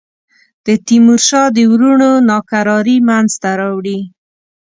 د تیمورشاه د وروڼو ناکراری منځته راوړي.